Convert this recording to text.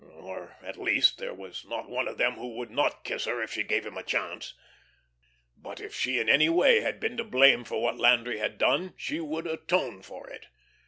Or, at least, there was not one of them who would not kiss her if she gave him a chance. But if she, in any way, had been to blame for what Landry had done, she would atone for it.